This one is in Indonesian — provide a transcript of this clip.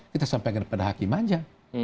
kita sampaikan kepada hakim aja